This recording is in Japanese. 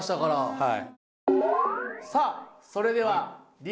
はい。